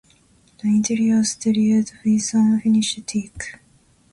The interior was delivered with unfinished teak.